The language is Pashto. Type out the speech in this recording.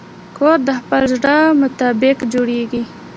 کور د خپل زړه مطابق جوړېږي.